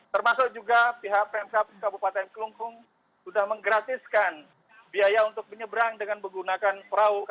termasuk juga pihak pmk kabupaten kelungkung sudah menggratiskan biaya untuk menyeberang dengan menggunakan perahu